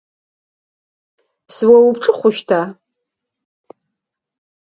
Сыоупчӏы хъущта?